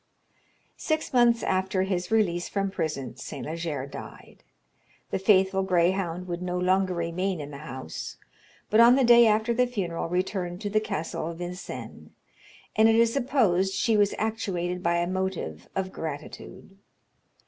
Six months after his release from prison St. Leger died. The faithful greyhound would no longer remain in the house; but on the day after the funeral returned to the castle of Vincennes, and it is supposed she was actuated by a motive of gratitude.